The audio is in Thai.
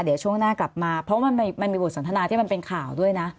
เดี๋ยวช่วงหน้ากลับมาเพราะว่ามันมีบทสนทนาที่มันเป็นข่าวด้วยนะ